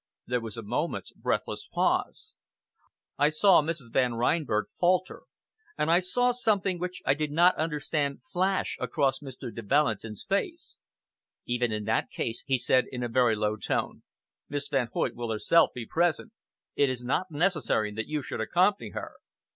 There was a moment's breathless pause. I saw Mrs. Van Reinberg falter, and I saw something which I did not understand flash across Mr. de Valentin's face. "Even in that case," he said in a very low tone, "Miss Van Hoyt will herself be present. It is not necessary that you should accompany her."